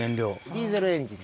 ディーゼルエンジン。